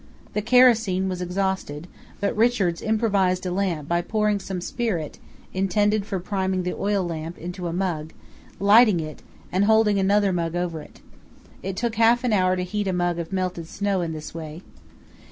The kerosene was exhausted, but Richards improvised a lamp by pouring some spirit (intended for priming the oil lamp) into a mug, lighting it, and holding another mug over it. It took half an hour to heat a mug of melted snow in this way.